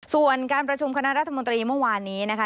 ส่วนการประชุมคณะรัฐมนตรีเมื่อวานนี้นะคะ